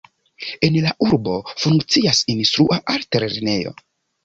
En la urbo funkcias Instrua Altlernejo.